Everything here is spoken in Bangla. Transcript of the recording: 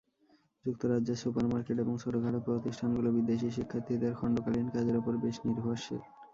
যুক্তরাজ্যের সুপারমার্কেট এবং ছোটখাটো প্রতিষ্ঠানগুলো বিদেশি শিক্ষার্থীদের খণ্ডকালীন কাজের ওপর বেশ নির্ভরশীল।